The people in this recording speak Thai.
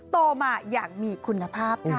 โตมาอย่างมีคุณภาพค่ะ